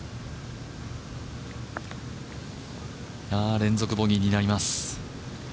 連続ボギーになります。